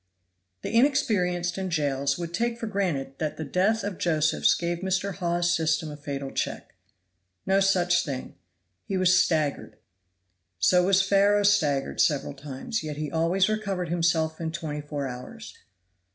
THE inexperienced in jails would take for granted that the death of Josephs gave Mr. Hawes's system a fatal check. No such thing. He was staggered. So was Pharaoh staggered several times, yet he always recovered himself in twenty four hours.